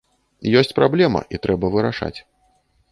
Ёсць праблема і трэба вырашаць.